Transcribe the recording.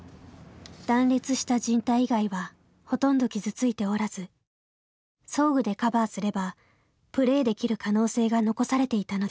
断裂したじん帯以外はほとんど傷ついておらず装具でカバーすればプレーできる可能性が残されていたのです。